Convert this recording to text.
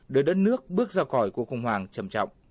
đưa đất nước bước ra khỏi cuộc khủng hoảng trầm trọng